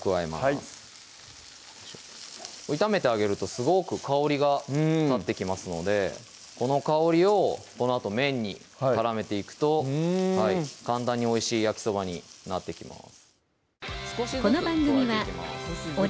はい炒めてあげるとすごく香りが立ってきますのでこの香りをこのあと麺に絡めていくと簡単においしい焼きそばになっていきます